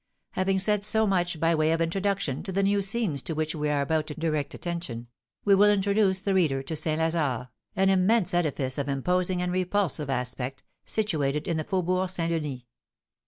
Having said so much by way of introduction to the new scenes to which we are about to direct attention, we will introduce the reader to St. Lazare, an immense edifice of imposing and repulsive aspect, situated in the Faubourg St. Denis.